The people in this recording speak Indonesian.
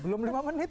belum lima menit